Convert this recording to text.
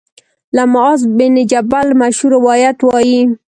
له معاذ بن جبل مشهور روایت وايي